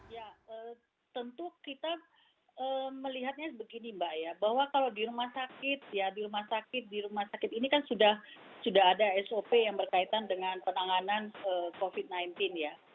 ya tentu kita melihatnya begini mbak ya bahwa kalau di rumah sakit ya di rumah sakit di rumah sakit ini kan sudah ada sop yang berkaitan dengan penanganan covid sembilan belas ya